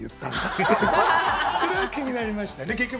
ってそれは気になりましたね。